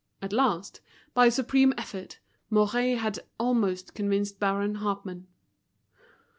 At last, by a supreme effort, Mouret had almost convinced Baron Hartmann.